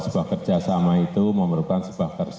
sebab kerjasama itu memerlukan sebab